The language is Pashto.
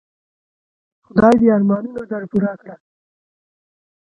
خدای دي ارمانونه در پوره کړه .